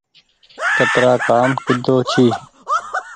ڪترآ ڪآم ڪيۮو ڇي۔